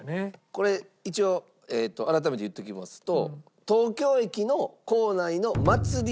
これ一応改めて言っときますと。